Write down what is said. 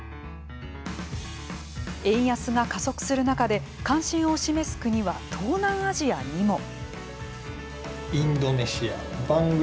円安が加速する中で関心を示す国は東南アジアにも。